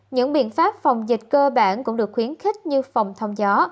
những biện pháp phòng dịch cơ bản cũng được khuyến khích như phòng thông gió